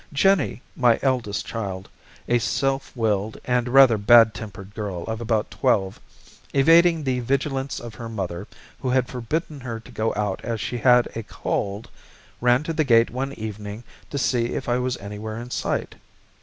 Jennie, my eldest child, a self willed and rather bad tempered girl of about twelve, evading the vigilance of her mother, who had forbidden her to go out as she had a cold, ran to the gate one evening to see if I was anywhere in sight.